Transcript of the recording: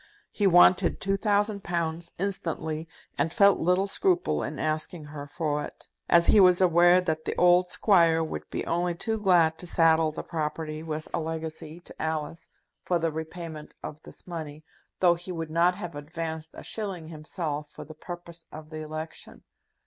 He wanted two thousand pounds instantly, and felt little scruple in asking her for it, as he was aware that the old Squire would be only too glad to saddle the property with a legacy to Alice for the repayment of this money, though he would not have advanced a shilling himself for the purpose of the election.